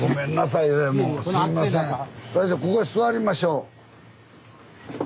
ここへ座りましょう。